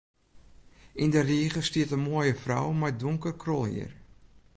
Yn de rige stiet in moaie frou mei donker krolhier.